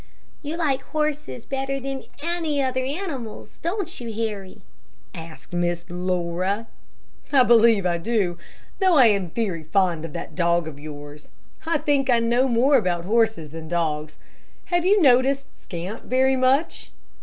"You like horses better than any other animals, don't you, Harry?" asked Miss Laura. "I believe I do, though I am very fond of that dog of yours. I think I know more about horses than dogs. Have you noticed Scamp very much?"